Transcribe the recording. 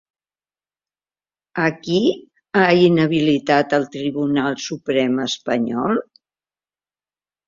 A qui ha inhabilitat el Tribunal Suprem espanyol?